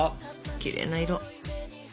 きれいな色。